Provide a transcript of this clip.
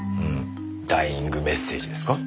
ダイイングメッセージですか？